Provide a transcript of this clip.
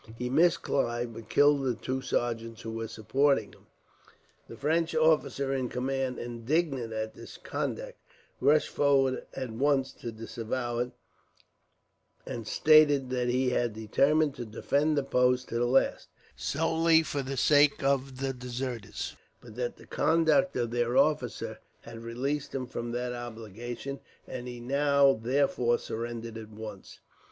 He missed Clive, but killed the two sergeants who were supporting him. The French officer in command, indignant at this conduct, rushed forward at once to disavow it; and stated that he had determined to defend the post to the last, solely for the sake of the deserters, but that the conduct of their officer had released him from that obligation, and he now therefore surrendered at once.